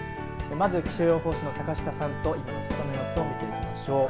まず気象予報士の坂下さんと今の外の各地の様子を見ていきましょう。